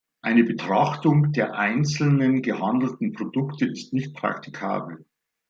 Eine Betrachtung der einzelnen gehandelten Produkte ist nicht praktikabel.